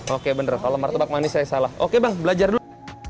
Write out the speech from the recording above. oke bener kalau martabak manis saya salah oke bang belajar dulu